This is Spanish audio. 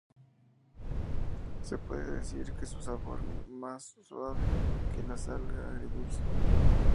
Se puede decir que su sabor es más suave que la salsa agridulce.